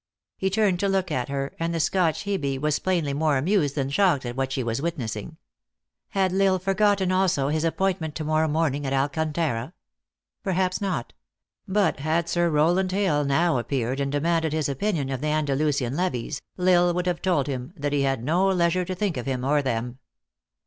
He turned to look at her, and the Scotch Hebe was plain ly more amused than shocked at what she was wit nessing. Had L Isle forgotten also his appointment to morrow morning at Alcantara ? Perhaps not. But had Sir Rowland Hill now appeared and demanded his opinion of the Andalusian levies, L Isle would have told him that he had no leisure to think of him or them.